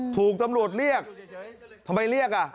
ถูกตำรวจเรียกทำไมเรียกอ่ะ